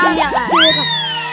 ini tuh mulut